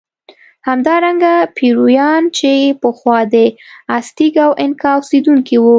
همدارنګه پیرویان چې پخوا د ازتېک او انکا اوسېدونکي وو.